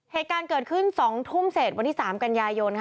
เหตุการณ์เกิดขึ้น๒ทุ่มเศษวันที่๓กันยายน